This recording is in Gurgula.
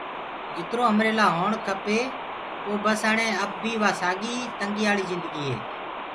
جِترو همري لآ هوڻ کپي پو بس اَڻي اب بي وا ساڳي تنگایاݪ جِندگي هي۔